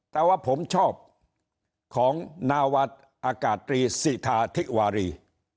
แต่ว่าผมชอบของนาวัดอากาศตรีสิทาธิวารี